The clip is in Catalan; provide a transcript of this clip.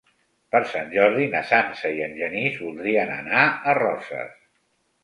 Per Sant Jordi na Sança i en Genís voldrien anar a Roses.